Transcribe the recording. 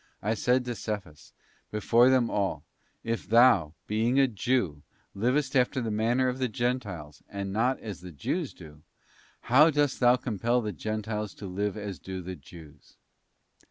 I said to Cephas, before them all: If thou, being a Jew, livest after the manner of the Gentiles, and not as the Jews do, how dost thou compel the Gentiles to live as do the Jews?